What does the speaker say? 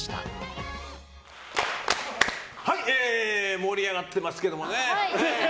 盛り上がってますけどもね。